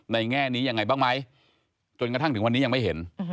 แง่นี้ยังไงบ้างไหมจนกระทั่งถึงวันนี้ยังไม่เห็น